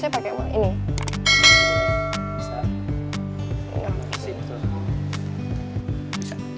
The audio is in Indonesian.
dengan di angka yang sama